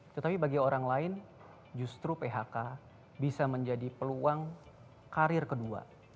tetapi bagi orang lain justru phk bisa menjadi peluang karir kedua